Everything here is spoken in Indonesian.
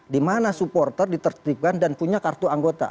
dimana supporter diterbitkan dan punya kartu anggota